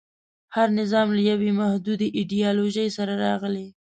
هر نظام له یوې محدودې ایډیالوژۍ سره راغلی.